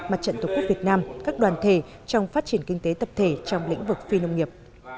mặt trận tổ quốc việt nam các đoàn thể trong phát triển kinh tế tập thể trong lĩnh vực phi nông nghiệp